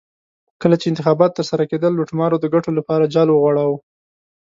کله چې انتخابات ترسره کېدل لوټمارو د ګټو لپاره جال وغوړاوه.